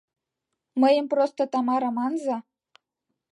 Мыйым просто Тамара манза.